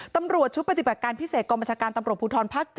ตำรวจชุดปฏิบัติการพิเศษกองบัญชาการตำรวจภูทรภาค๗